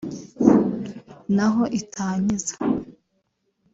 naho itanyiza